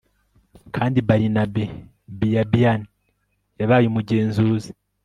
kandi Barnabe Biabiany yabaye umugenzuzi